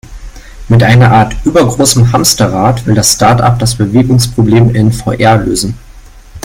Mit einer Art übergroßem Hamsterrad, will das Startup das Bewegungsproblem in VR lösen.